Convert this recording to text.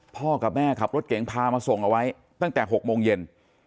พ่อกับแม่ขับรถเก๋งพามาส่งเอาไว้ตั้งแต่๖โมงเย็น